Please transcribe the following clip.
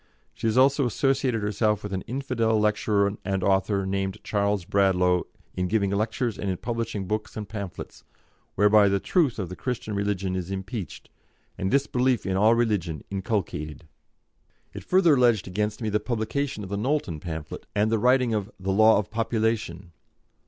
She has also associated herself with an infidel lecturer and author named Charles Bradlaugh in giving lectures and in publishing books and pamphlets, whereby the truth of the Christian religion is impeached, and disbelief in all religion inculcated." It further alleged against me the publication of the Knowlton pamphlet, and the writing of the "Law of Population."